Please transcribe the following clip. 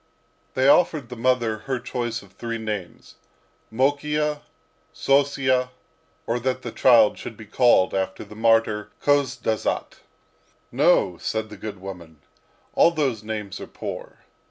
They offered the mother her choice of three names, Mokiya, Sossiya, or that the child should be called after the martyr Khozdazat. "No," said the good woman, "all those names are poor."